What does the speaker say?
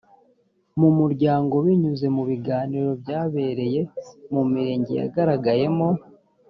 mu muryango binyuze mu biganiro byabereye mu mirenge yagaragayemo